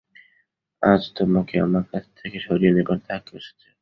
আজ তোমাকে আমার কাছ থেকে সরিয়ে নেবার ধাক্কা এসেছে।